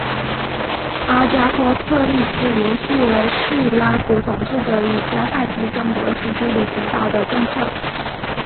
阿加托克利斯延续了叙拉古统治者与迦太基争夺西西里主导的政策。